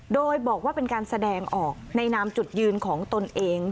โดยบอกว่าเป็นการแสดงออกในนามจุดยืนของตนเอง